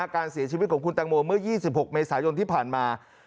การเสียชีวิตของคุณตังโมเมื่อ๒๖เมษายนที่ผ่านมา